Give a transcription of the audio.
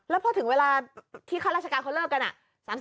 แล้วพอถึงเวลาที่ข้าราชการเขาเลิกกัน